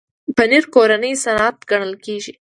پنېر کورنی صنعت ګڼل کېږي.